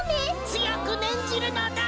つよくねんじるのだ！